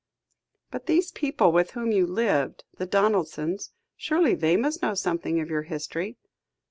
"But these people with whom you lived the Donaldsons. Surely they must know something of your history?"